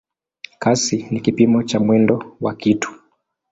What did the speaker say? Kasi ni kipimo cha mwendo wa kitu.